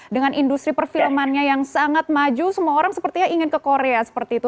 dengan industri perfilmannya yang sangat maju semua orang sepertinya ingin ke korea seperti itu